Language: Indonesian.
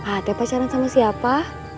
ate pacaran sama siapa